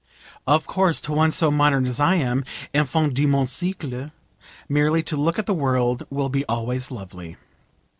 Of course to one so modern as I am, 'Enfant de mon siecle,' merely to look at the world will be always lovely.